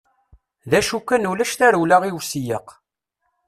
D acu kan ulac tarewla i usiyeq.